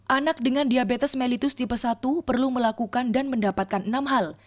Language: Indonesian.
anak dengan diabetes mellitus tipe satu perlu melakukan dan mendapatkan enam hal